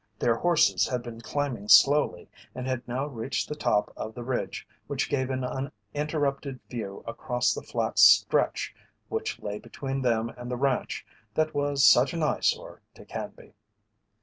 Their horses had been climbing slowly and had now reached the top of the ridge which gave an uninterrupted view across the flat stretch which lay between them and the ranch that was such an eyesore to Canby.